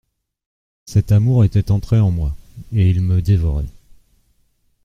«Cet amour était entré en moi et il me dévorait.